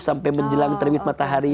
sampai menjelang terbit matahari